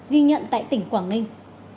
ghi nhận tại tỉnh quảng ninh